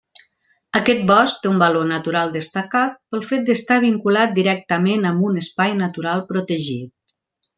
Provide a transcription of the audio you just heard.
Aquest bosc té un valor natural destacat pel fet d'estar vinculat directament amb un espai natural protegit.